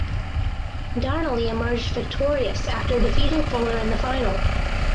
Donnelly emerged victorious after defeating Fuller in the final.